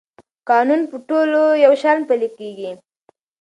قانون په ټولو یو شان پلی کېږي.